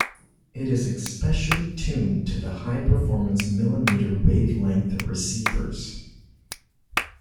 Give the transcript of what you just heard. It is especially tuned to the high-performance millimeter-wavelength receivers.